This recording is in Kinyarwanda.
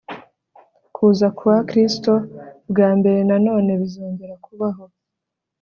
kuza kwa Kristo bwa mbere na none bizongera kubaho